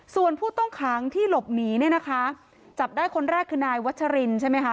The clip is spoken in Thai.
ส่วนผู้ต้องขังที่หลบหนีเนี่ยนะคะจับได้คนแรกคือนายวัชรินใช่ไหมคะ